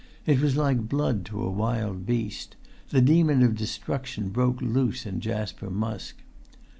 It was like blood to a wild beast: the demon of destruction broke loose in Jasper Musk.